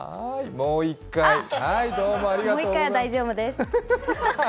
もう一回は大丈夫です。